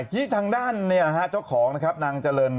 โอ้เนี่ยฉันคิดว่าให้จริงอ่ะ